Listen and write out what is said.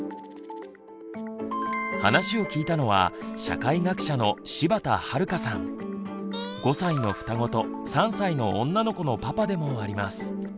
話を聞いたのは５歳の双子と３歳の女の子のパパでもあります。